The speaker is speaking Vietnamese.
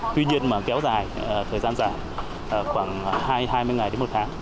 tuy nhiên mà kéo dài thời gian dài khoảng hai mươi ngày đến một tháng